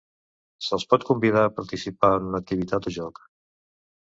Se'ls pot convidar a participar en una activitat o joc.